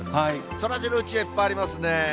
そらジローうちわ、いっぱいありますね。